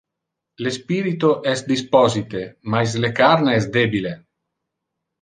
Le spirito es disposite mais le carne es debile.